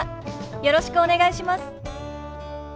よろしくお願いします。